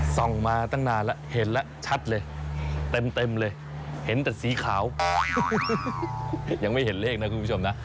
ส่องมาตั้งนานแล้วเห็นแล้วชัดเลยเต็มเลยเห็นแต่สีขาวยังไม่เห็นเลขนะคุณผู้ชมนะ